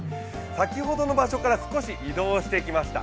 先ほどの場所から少し移動してきました。